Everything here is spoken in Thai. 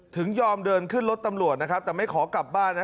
ถึงยอมเดินขึ้นรถตำรวจนะครับแต่ไม่ขอกลับบ้านนะ